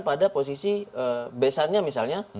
pada posisi besarnya misalnya